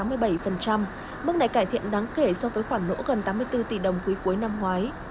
mức này cải thiện đáng kể so với khoản lỗ gần tám mươi bốn tỷ đồng quý cuối năm ngoái